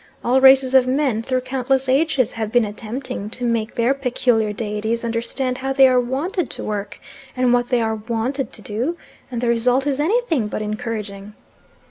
All races of men through countless ages, have been attempting to make their peculiar deities understand how they are wanted to work, and what they are wanted to do, and the result is anything but encouraging.